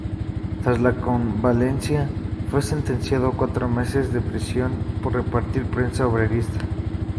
Tras la convalecencia, fue sentenciado a cuatro meses de prisión por repartir prensa obrerista.